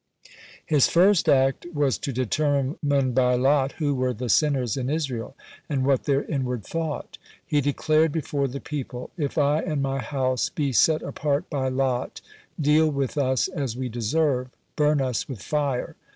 (1) His first act was to determine by lot who were the sinners in Israel, and what their inward thought. He declared before the people: "If I and my house be set apart by lot, deal with us as we deserve, burn us with fire."